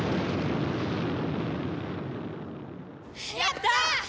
やった！